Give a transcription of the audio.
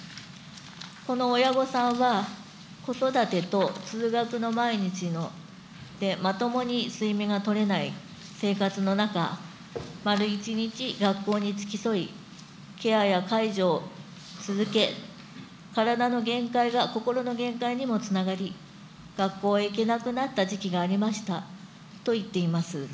この親御さんは子育てと通学の毎日でまともに睡眠が取れない生活の中、丸一日、学校に付き添い、ケアや介助を続け、体の限界が心の限界にもつながり、学校へ行けなくなった時期がありましたと言っています。